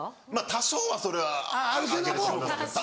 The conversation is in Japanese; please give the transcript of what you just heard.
多少はそれはあげると思いますけど。